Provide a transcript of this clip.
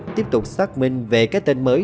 tiếp tục xác minh về cái tên mới